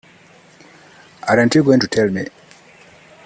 Aren't you going to tell me?